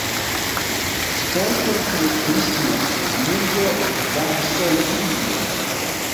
Sporto kaj Turismo-Muzo, Varsovio.